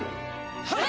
はい！